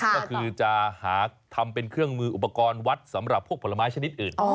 ก็คือจะหาทำเป็นเครื่องมืออุปกรณ์วัดสำหรับพวกผลไม้ชนิดอื่น